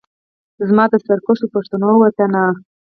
زما د سرکښو پښتنو وطنه